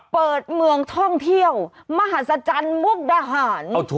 เปิดเมืองท่องเที่ยวมหัศจรรย์มุกดาหาร